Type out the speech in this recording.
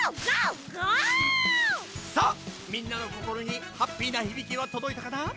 さあみんなのこころにハッピーなひびきはとどいたかな？